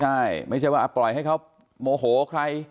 ใช่ไม่ใช่ว่าปล่อยให้เขาโมโหใคร